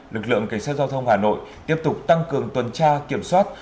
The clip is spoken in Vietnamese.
lực lượng cảnh sát giao thông hà nội tiếp tục tăng cường tuần tra kiểm soát